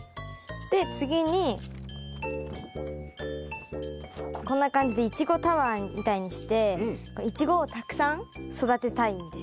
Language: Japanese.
で次にこんな感じでイチゴタワーみたいにしてイチゴをたくさん育てたいんです。